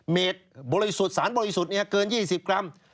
เมตรบริสุทธิ์สารบริสุทธิ์เกิน๒๐กรัม